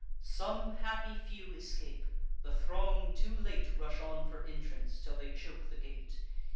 Some happy few escape: the throng too late Rush on for entrance, till they choke the gate.